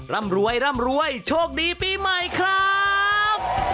ร่ำรวยโชคดีปีใหม่ครับ